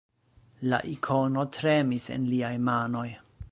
La Ikono tremis en liaj manoj.